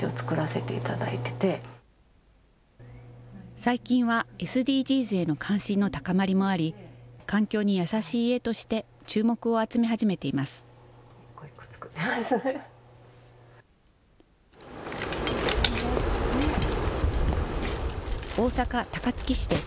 最近はＳＤＧｓへの関心の高まりもあり、環境に優しい家として、注目を集め始めています。